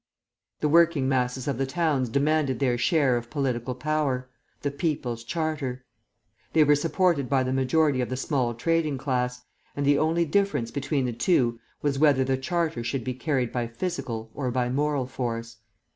The working masses of the towns demanded their share of political power the People's Charter; they were supported by the majority of the small trading class, and the only difference between the two was whether the Charter should be carried by physical or by moral force.